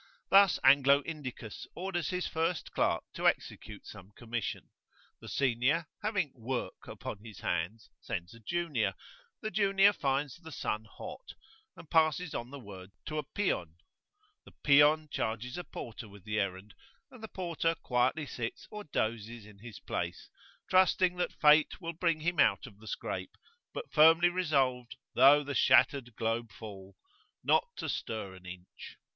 Thus Anglo Indicus orders his first clerk to execute some commission; the senior, having "work" upon his hands, sends a junior; the junior finds the sun hot, and passes on the word to a "peon;" the "peon" charges a porter with the errand; and the porter quietly sits or doses in his place, trusting that Fate will bring him out of the scrape, but firmly resolved, though the shattered globe fall, not to stir an inch.